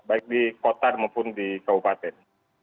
baik di kota maupun di kabupaten